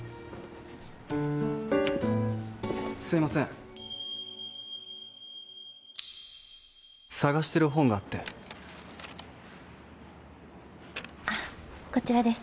すいません探してる本があってあっこちらです